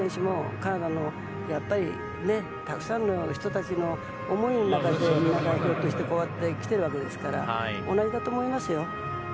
カナダもやっぱりたくさんの人たちの思いの中で代表として来てるわけですから同じだと思いますよ。